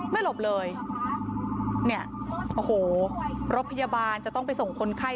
หลบเลยเนี่ยโอ้โหรถพยาบาลจะต้องไปส่งคนไข้